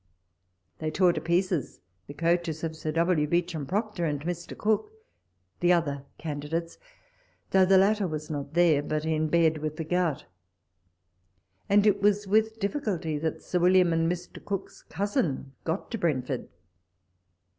'' They tore to pieces the coaches of Sir VV. Beauchanip Proctor and Mr. Cooke, the other candidates, though the latter was not there, but in bed with the gout, and it was with difficulty that Sir William and Mr. Cooke's cousin got to Brentford.